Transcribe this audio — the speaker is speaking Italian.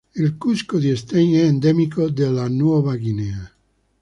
Il cusco di Stein è endemico della Nuova Guinea.